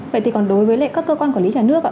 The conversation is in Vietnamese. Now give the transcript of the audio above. vậy thì còn đối với các cơ quan quản lý nhà nước ạ